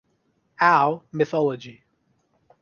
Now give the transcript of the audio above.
Ao (mythology)